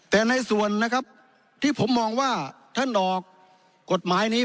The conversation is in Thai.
แต่ในส่วนนะครับที่ผมมองว่าท่านออกกฎหมายนี้